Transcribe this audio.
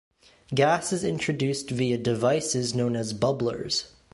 Gas is introduced via devices known as 'bubblers'.